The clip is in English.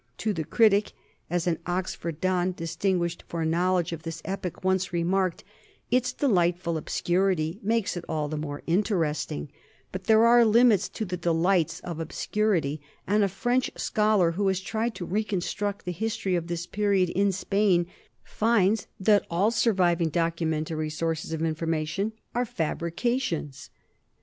To the critic, as an Oxford don distin THE COMING OF THE NORTHMEN 47 guished for knowledge of this epoch once remarked, its delightful obscurity makes it all the more interesting, but there are limits to the delights of obscurity, and a French scholar who has tried to reconstruct the history of this period in Spain finds that all surviving documen tary sources of information are fabrications!